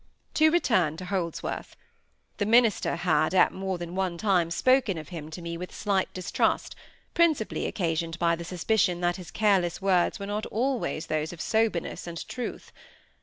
To return to Holdsworth. The minister had at more than one time spoken of him to me with slight distrust, principally occasioned by the suspicion that his careless words were not always those of soberness and truth.